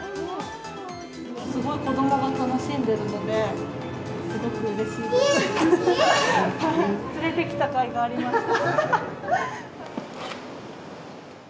すごい子どもが楽しんでるので、すごくうれしいです。